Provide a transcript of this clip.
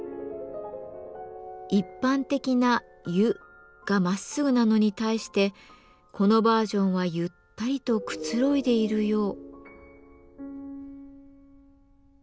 一般的な「ゆ」がまっすぐなのに対してこのバージョンはゆったりとくつろいでいるよう。